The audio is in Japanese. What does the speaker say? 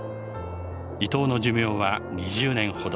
イトウの寿命は２０年ほど。